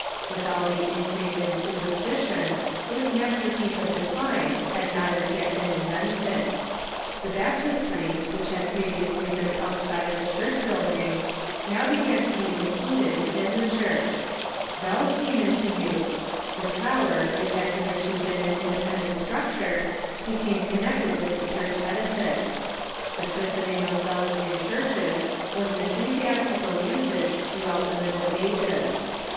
With all the increase in superstition, this masterpiece of de cline had not as yet been invented. The baptistery, which had previously been outside of the church building, now be gan to be included within the church. Bells came into use. The tower, Avhich had hitherto been an independent structure, became connected with the church edifice. The christening of bells in churches was an ecclesiastical usage throughout the Middle Ages.